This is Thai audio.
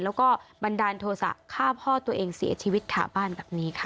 แล้วก็บันดาลโทษะฆ่าพ่อตัวเองเสียชีวิตขาบ้านแบบนี้ค่ะ